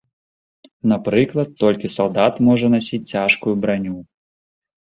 Напрыклад, толькі салдат можа насіць цяжкую браню.